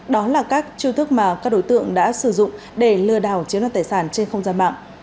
đó là các chiêu thức mà các đối tượng đã sử dụng để lừa đảo chiếm đoạt tài sản trên không gian mạng